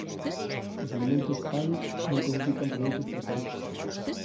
Os elementos "Alu" non codifican produtos proteicos.